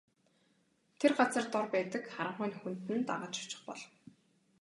Тэр газар дор байдаг харанхуй нүхэнд нь дагаж очих болов.